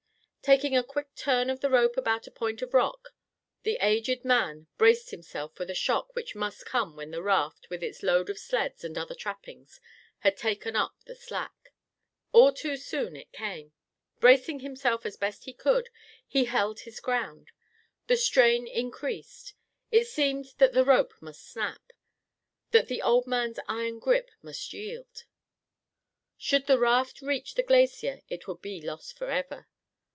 Taking a quick turn of the rope about a point of rock, the aged man braced himself for the shock which must come when the raft, with its load of sleds and other trappings, had taken up the slack. All too soon it came. Bracing himself as best he could, he held his ground. The strain increased. It seemed that the rope must snap; that the old man's iron grip must yield. Should the raft reach the glacier it would be lost forever.